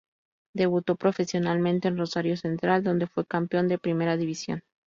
Debutó profesionalmente en Rosario Central, donde fue campeón de Primera División.